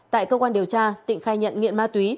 tại cơ quan điều tra tịnh khai nhận nghiện ma túy